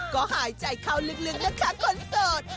ก็หายใจเข้าลึกนะคะคนโสด